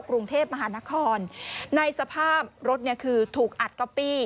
กรุงเทพมหานครในสภาพรถเนี่ยคือถูกอัดก๊อปปี้